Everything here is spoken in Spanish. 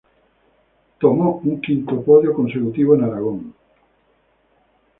Tomó un quinto podio consecutivo en Aragón.